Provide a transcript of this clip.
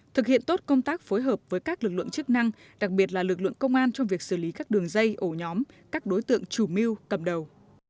thực hiện tốt công tác phối hợp với các lực lượng chức năng đặc biệt là lực lượng công an trong việc xử lý các đường dây ổ nhóm các đối tượng chủ mưu cầm đầu